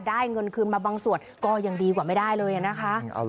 ได้เงินคืนมาบางส่วนก็ยังดีกว่าไม่ได้เลยนะคะ